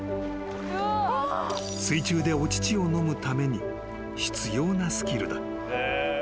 ［水中でお乳を飲むために必要なスキルだ］